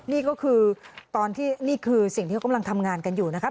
นี่ก็คือสิ่งที่กำลังทำงานกันอยู่นะคะ